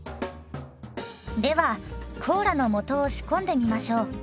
ではコーラの素を仕込んでみましょう。